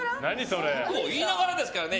九九を言いながらですからね。